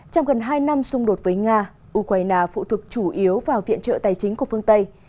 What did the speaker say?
trong gần hai năm xung đột với nga ukraine phụ thuộc chủ yếu vào viện trợ tài chính của phương tây